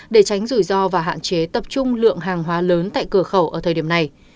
để tránh rủi ro và hạn chế tập trung lượng hàng hóa lớn tại cửa khẩu ở thời điểm này